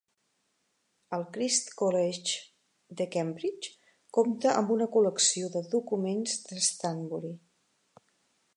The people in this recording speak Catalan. El Christ's College de Cambridge compta amb una col·lecció de documents de Stanbury.